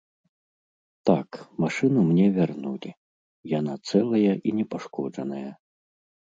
Так, машыну мне вярнулі, яна цэлая і непашкоджаная.